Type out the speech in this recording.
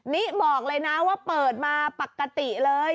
นี่บอกเลยนะว่าเปิดมาปกติเลย